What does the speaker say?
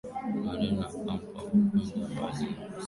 moreno ocampo amekwenda mbali na kusema majaji kutoka mahakama ya icc